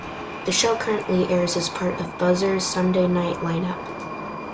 The show currently airs as part of Buzzr's Sunday night lineup.